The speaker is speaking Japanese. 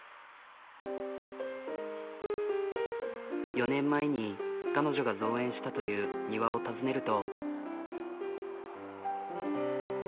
４年前に彼女が造園したという庭を訪ねると。